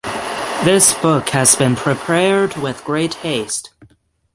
This book has been prepared with great haste.